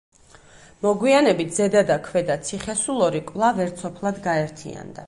მოგვიანებით ზედა და ქვედა ციხესულორი კვლავ ერთ სოფლად გაერთიანდა.